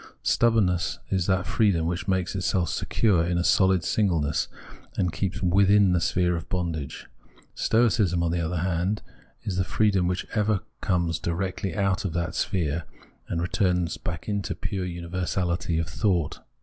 Stubbornness is that freedom which makes itself secure in a sohd singleness, and keeps vjithin the sphere of bondage. Stoicism, on the other hand, is the freedom which ever comes directly out of that sphere, and returns back into the pure universahty of thought.